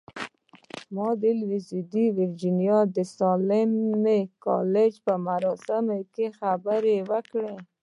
ما د لويديځې ويرجينيا د ساليم کالج په مراسمو کې خبرې وکړې.